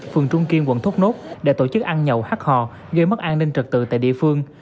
phường trung kiên quận thốt nốt để tổ chức ăn nhậu hát hò gây mất an ninh trật tự tại địa phương